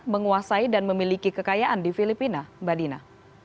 menguasai dan memiliki kekayaan di filipina mbak dina